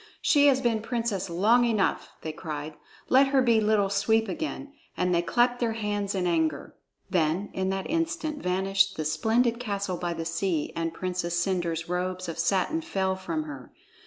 She has been princess long enough!" they cried. "Let her be Little Sweep again," and they clapped their hands in anger. Then in that instant vanished the splendid castle by the sea, and Princess Cendre's robes of satin fell from her.